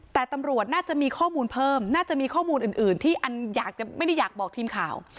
แต่ตำรวจน่าจะมีข้อมูลเพิ่มน่าจะมีข้อมูลอื่นที่อันอยากจะไม่ได้อยากบอกทีมข่าว